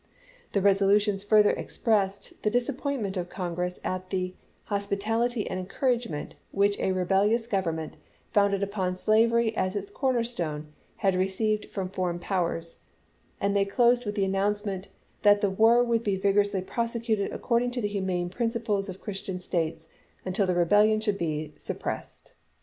The resolutions further expressed the disappointment of Congress at the hospitality and encouragement which a re belhous Grovernment, founded upon slavery as its corner stone, had received from foreign powers, and they closed with the announcement that the war would be vigorously prosecuted according to the humane principles of Christian states until the rebellion should be suppressed.